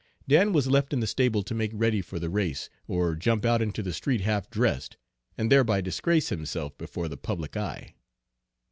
Dan was left in the stable to make ready for the race, or jump out into the street half dressed, and thereby disgrace himself before the public eye.